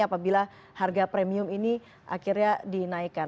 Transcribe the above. apabila harga premium ini akhirnya dinaikkan